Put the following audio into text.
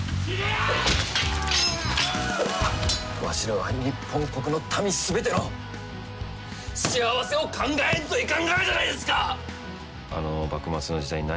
わしらは日本国の民すべての幸せを考えんといかんがじゃないですか！